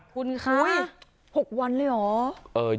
คุณคะ๖วันเลยเหรอ